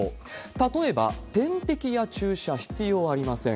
例えば、点滴や注射、必要ありません。